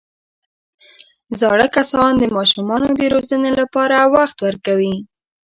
زاړه کسان د ماشومانو د روزنې لپاره وخت ورکوي